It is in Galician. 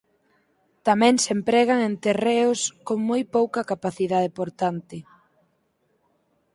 Tamén se empregan en terreos con moi pouca capacidade portante.